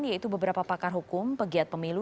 yaitu beberapa pakar hukum pegiat pemilu